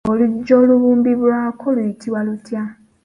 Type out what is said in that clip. Oluggyo olubumbirwako luyitibwa lutya?